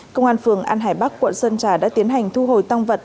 công an phường an hải bắc quận sơn trà đã tiến hành thu hồi tăng vật